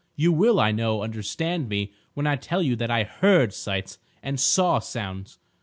You will, I know, understand me when I tell you that I heard sights and saw sounds.